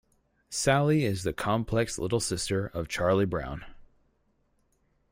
Sally is the complex little sister of Charlie Brown.